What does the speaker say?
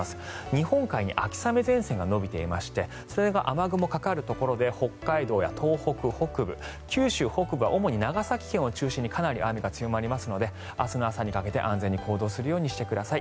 日本海に秋雨前線が延びていましてそれが雨雲がかかるところで北海道や東北北部九州北部は主に長崎県を中心にかなり雨が強まりますので明日の朝にかけて安全に行動するようにしてください。